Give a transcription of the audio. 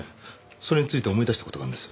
それについて思い出した事があるんです。